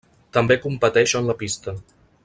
També competeix en la pista.